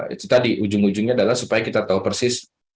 itu tadi ujung ujungnya adalah supaya kita tahu persis